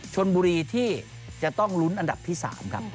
ชนบุรีที่จะต้องลุ้นอันดับที่๓ครับ